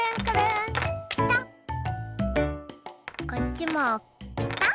こっちもぴた。